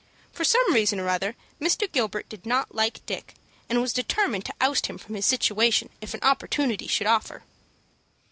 For some reason or other Mr. Gilbert did not like Dick, and was determined to oust him from his situation if an opportunity should offer.